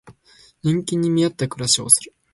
年金に見合った暮らしをする